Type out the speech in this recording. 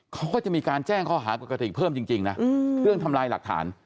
เขาก็จะมีการแจ้งข้อหาปกติเพิ่มจริงนะเรื่องทำลายหลักฐาน